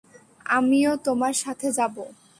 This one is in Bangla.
আমিও তোমার সাথে যাবো।